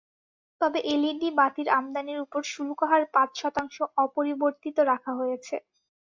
তবে এলইডি বাতির আমদানির ওপর শুল্কহার পাঁচ শতাংশ অপরিবর্তিত রাখা হয়েছে।